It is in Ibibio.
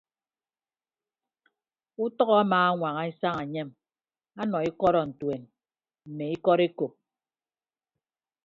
Utʌk amaañwana isañ enyem ọnọ ikọdọntuen mme ikọd ekop.